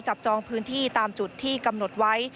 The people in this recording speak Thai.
จองพื้นที่ตามจุดที่กำหนดไว้